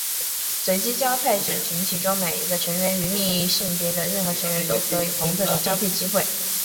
随机交配指群体中每一个成员与另一性别的任何成员都有同等的交配机会。